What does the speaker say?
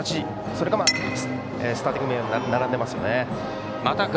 それがスターティングメンバーに並んでいますね。